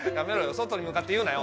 外に向かって言うなよ？